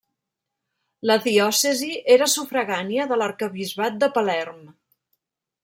La diòcesi era sufragània de l'arquebisbat de Palerm.